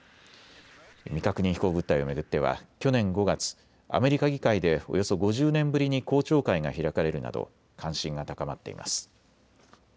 未確認飛行物体を巡っては去年５月、アメリカ議会でおよそ５０年ぶりに公聴会が開かれるなど関心が高まっています。